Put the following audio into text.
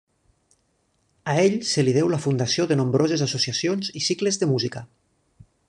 A ell se li deu la fundació de nombroses associacions i cicles de música.